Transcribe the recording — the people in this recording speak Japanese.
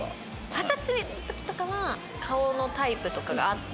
二十歳の時とかは顔のタイプとかがあって。